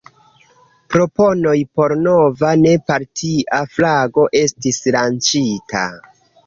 Proponoj por nova, ne-partia flago estis lanĉita.